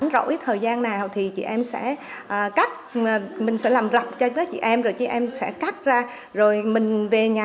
rỗi thời gian nào thì chị em sẽ cắt mình sẽ làm rập cho chị em rồi chị em sẽ cắt ra rồi mình về nhà